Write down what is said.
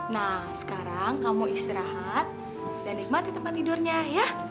nah sekarang kamu istirahat dan nikmati tempat tidurnya ya